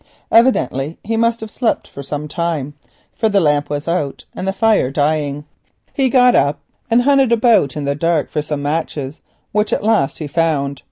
Evidently he must have slept some time, for the lamp was out and the fire dying. He got up and hunted about in the dark for some matches, which at last he found.